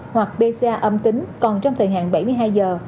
hoặc bca âm tính còn trong thời hạn bảy mươi hai giờ